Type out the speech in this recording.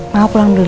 mau pulang dulu ya